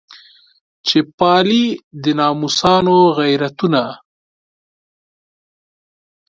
چې پالي د ناموسونو غیرتونه.